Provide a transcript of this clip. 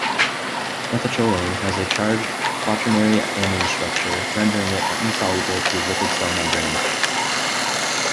Methacholine has a charged quaternary amine structure, rendering it insoluble to lipid cell membranes.